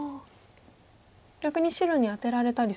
逆に白にアテられたりするのは。